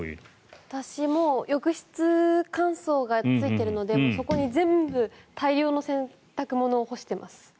私も浴室乾燥がついているのでそこに全部、大量の洗濯物を干してます。